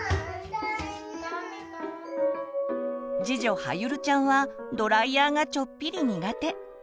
次女はゆるちゃんはドライヤーがちょっぴり苦手。